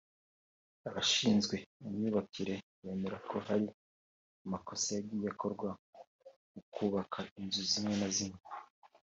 Abashinzwe imyubakire bemera ko hari amakosa yagiye akorwa mu kubaka inzu zimwe na zimwe